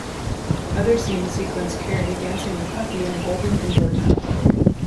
Other scenes sequence Carey dancing with Puffy in a golden indoor tunnel.